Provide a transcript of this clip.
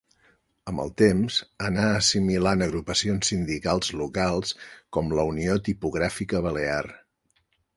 Amb el temps anà assimilant agrupacions sindicals locals com la Unió Tipogràfica Balear.